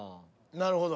なるほど。